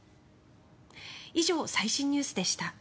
以上、最新ニュースでした。